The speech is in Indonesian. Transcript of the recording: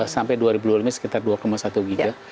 sampai dua ribu dua puluh ini sekitar dua satu giga